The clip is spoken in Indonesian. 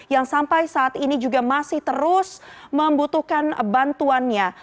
yang sampai saat ini juga masih terus membutuhkan bantuannya